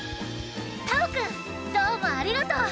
たおくんどうもありがとう！